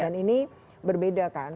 dan ini berbeda kan